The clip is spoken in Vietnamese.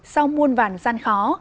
sau muôn vàn gian khó